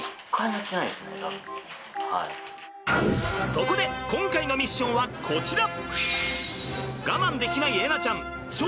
そこで今回のミッションはこちら！